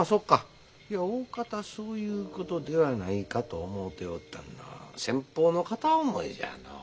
おおかたそういうことではないかと思うておったんだが先方の片思いじゃのう。